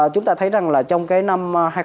chúng ta thấy rằng là trong cái năm hai nghìn hai mươi